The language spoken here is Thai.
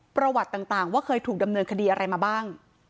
ประวัติต่างว่าเคยถูกดำเนินคดีอะไรมาบ้าง